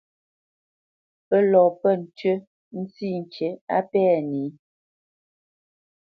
Pə́ lɔ pə̂ ntʉ́ ntsî ŋkǐ á pɛ̂ nǐ.